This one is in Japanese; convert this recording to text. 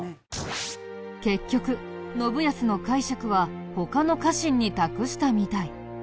結局信康の介錯は他の家臣に託したみたい。